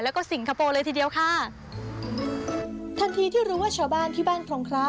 แล้วก็สิงคโปร์เลยทีเดียวค่ะทันทีที่รู้ว่าชาวบ้านที่บ้านทรงพระ